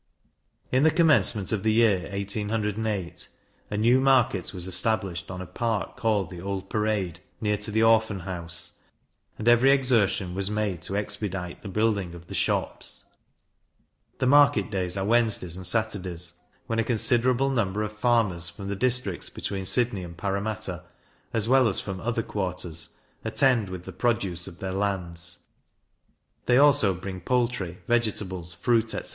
In the commencement of the year 1808, a new market was established on a part called the Old Parade, near to the Orphan House, and every exertion was made to expedite the building of the shops. The marketdays are Wednesdays and Saturdays, when a considerable number of farmers, from the districts between Sydney and Parramatta, as well as from other quarters, attend with the produce of their lands: they also bring poultry, vegetables, fruit, etc.